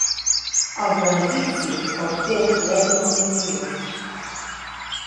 Els beneficis que obté voregen els vint milions.